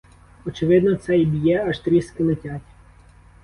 Очевидно, цей б'є, аж тріски летять!